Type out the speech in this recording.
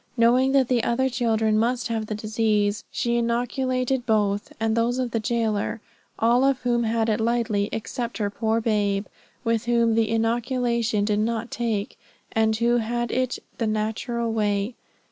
Knowing that the other children must have the disease, she inoculated both, and those of the jailer, all of whom had it lightly except her poor babe, with whom the inoculation did not take, and who had it the natural way.